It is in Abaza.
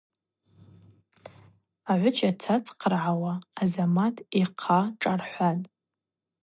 Агӏвыджь ацацхърыгӏауа Азамат йхъа шӏархӏватӏ.